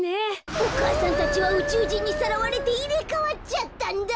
お母さんたちはうちゅうじんにさらわれていれかわっちゃったんだ！